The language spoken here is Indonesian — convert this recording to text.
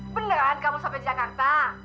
beneran kamu sampai jakarta